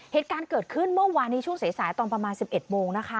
เหตุการณ์เกิดขึ้นเมื่อวานในช่วงสายตอนประมาณ๑๑โมงนะคะ